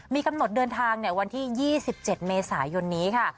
มีกำหนดเดินทางวันที่๒๗เมษายนนี้ค่ะ